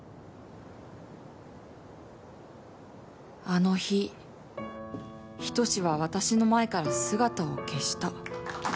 あの日仁は私の前から姿を消した。